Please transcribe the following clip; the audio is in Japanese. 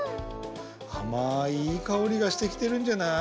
あまいいいかおりがしてきてるんじゃない？